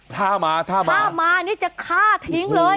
ถ้ามานี่จะฆ่าทิ้งเลย